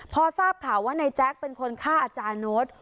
พอทราบข่าวว่านายแจ๊คเป็นคนฆ่าอาจารย์โน้ต